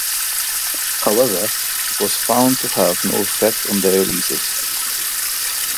However, it was found to have no effect on diuresis.